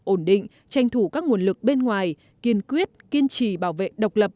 ổn định tranh thủ các nguồn lực bên ngoài kiên quyết kiên trì bảo vệ độc lập